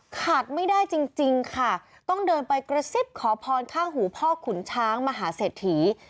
ขาดไม่ได้จริงค่ะต้องเดินไปกระซิบขอพรข้างหูพ่อขุนช้างมหาเศรษฐี